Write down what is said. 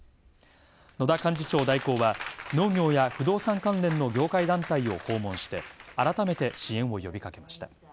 野田幹事長代行は、農業や不動産関連の業界団体を訪問して改めて支援を呼びかけました。